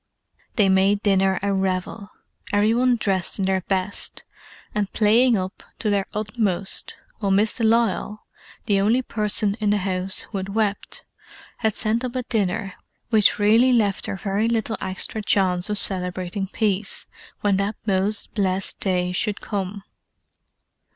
They made dinner a revel—every one dressed in their best, and "playing up" to their utmost, while Miss de Lisle—the only person in the house who had wept—had sent up a dinner which really left her very little extra chance of celebrating Peace, when that most blessed day should come.